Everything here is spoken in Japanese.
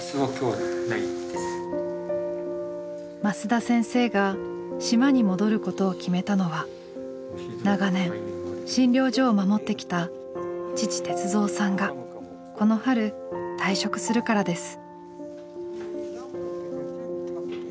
升田先生が島に戻ることを決めたのは長年診療所を守ってきた父鉄三さんがこの春退職するからです。